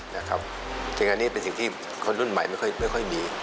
จริงอันนี้เป็นสิ่งที่คนรุ่นใหม่ไม่ค่อยมี